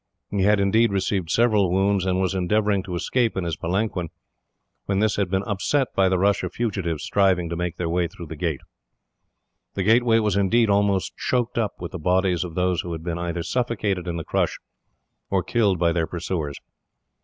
He had indeed received several wounds, and was endeavouring to escape in his palanquin, when this had been upset by the rush of fugitives striving to make their way through the gate. The gateway was, indeed, almost choked up with the bodies of those who had been either suffocated in the crush, or killed by their pursuers.